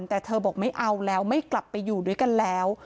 แต่เธอบอกไม่เอาแล้วไม่กลับไปอยู่ด้วยกันแล้ว